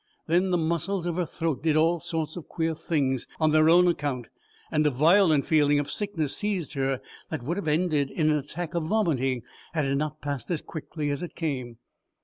Then the muscles of her throat did all sorts of queer things on their own account and a violent feeling of sickness seized her that would have ended in an attack of vomiting had it not passed as quickly as it came.